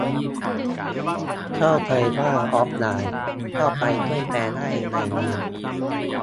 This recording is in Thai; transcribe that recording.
เข้าใจว่าออฟไลน์ เข้าไปช่วยแปลได้ในนี้